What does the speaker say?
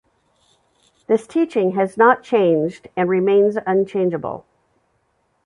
This teaching has not changed and remains unchangeable.